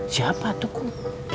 siapa tuh kum